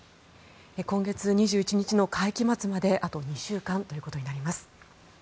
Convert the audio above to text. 今月２１日の会期末まであと２週間ということになります。